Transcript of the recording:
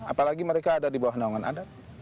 apalagi mereka ada di bawah naungan adat